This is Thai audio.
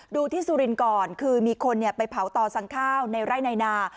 ดูที่สุรินทร์ก่อนคือมีคนไปเผาต่อสั่งข้าวในไร่ในนา